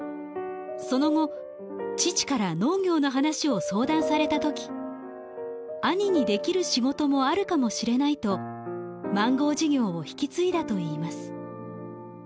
その後父から農業の話を相談されたとき兄にできる仕事もあるかもしれないとマンゴー事業を引き継いだといいます。